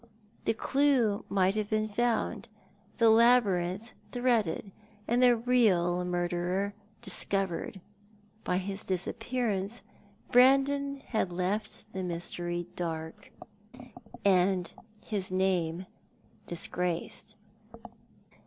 The clue might have been found, the labyrinth threaded, and the real murderer discovered. By his disappearance Brandon had left the mystery dark, and his name disgraced.